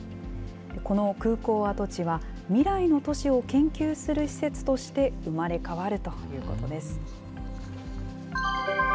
この空港跡地は、未来の都市を研究する施設として生まれ変わるということです。